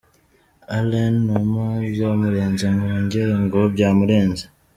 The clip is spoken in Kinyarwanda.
Alain Numa byamurenze wongere ngo byamurenze.